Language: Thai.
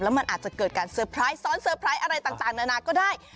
มันอาจจะเกิดการเซอร์ไพรส์ซ้อนเซอร์ไพรส์อะไรต่างนานาก็ได้